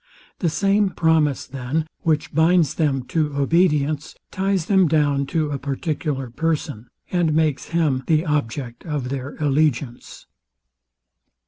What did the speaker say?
The same promise, then, which binds them to obedience, ties them down to a particular person, and makes him the object of their allegiance.